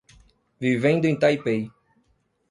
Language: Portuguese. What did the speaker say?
Vivendo em Taipei